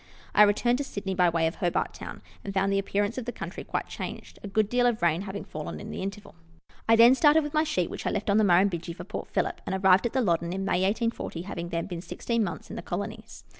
I returned to Sydney by way of Hobart Town, and found the appearance of the country quite changed, a good deal of rain having fallen in the interval. I then started with my sheep (which I left on the Murrumbidgee) for Port Phillip, and arrived at the Loddon in May 1840, having then been sixteen months in the colonies.